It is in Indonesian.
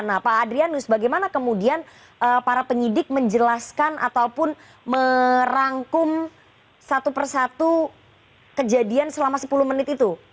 nah pak adrianus bagaimana kemudian para penyidik menjelaskan ataupun merangkum satu persatu kejadian selama sepuluh menit itu